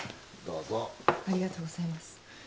ありがとうございます。